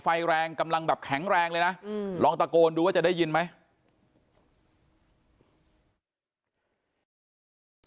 ไฟแรงกำลังแบบแข็งแรงเลยนะลองตะโกนดูว่าจะได้ยินไหม